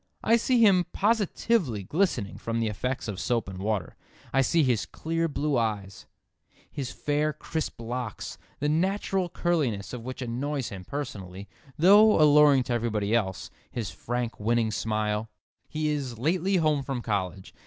I see him positively glistening from the effects of soap and water. I see his clear blue eye; his fair crisp locks, the natural curliness of which annoys him personally, though alluring to everybody else; his frank winning smile. He is "lately home from college."